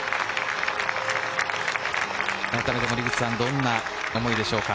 改めて、森口さんどんな思いでしょうか。